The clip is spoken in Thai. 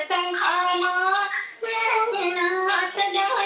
จะต้องงานฟังอย่าเป็นตายไปที่มาบวนแหล่งเปิดไงนะ